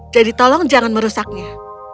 jadi tolong jangan merusaknya